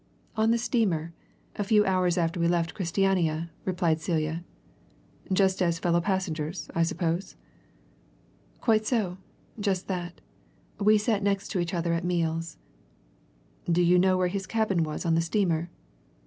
"On the steamer a few hours after we left Christiania," replied Celia. "Just as fellow passengers, I suppose?" "Quite so just that. We sat next to each other at meals." "Do you know where his cabin was on the steamer?"